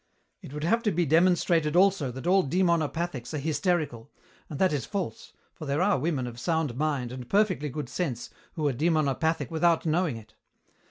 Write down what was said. It would have to be demonstrated also that all demonopathics are hysterical, and that is false, for there are women of sound mind and perfectly good sense who are demonopathic without knowing it.